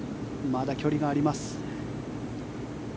まだ距離があります。